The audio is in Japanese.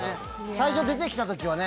最初出てきたときはね。